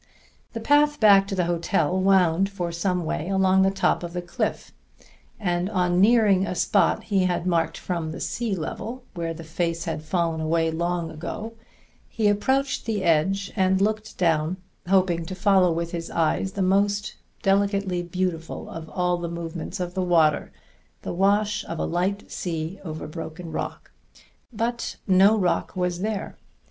The path back to the hotel wound for some way along the top of the cliff, and on nearing a spot he had marked from the sea level, where the face had fallen away long ago, he approached the edge and looked down, hoping to follow with his eyes the most delicately beautiful of all the movements of water, the wash of a light sea over broken rock. But no rock was there.